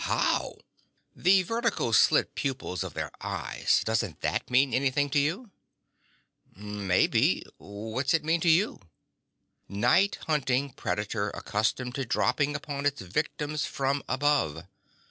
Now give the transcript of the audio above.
"How?" "The vertical slit pupils of their eyes. Doesn't that mean anything to you?" "Maybe. What's it mean to you?" "Night hunting predator accustomed to dropping upon its victims from above.